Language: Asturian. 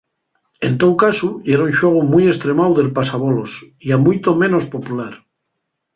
En tou casu, yera un xuegu mui estremáu del pasabolos ya muitu menos popular.